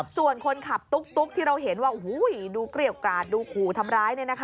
ส่วนคนขับตุ๊กที่เราเห็นว่าดูเกรี้ยวกราดดูขู่ทำร้าย